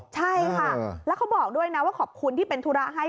ใช่ค่ะแล้วเขาบอกด้วยนะว่าขอบคุณที่เป็นธุระให้